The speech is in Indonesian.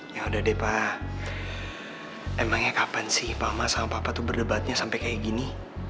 ya udah deh pak emangnya kapan sih pak mah sama papa tuh berdebatnya sampai kayak gini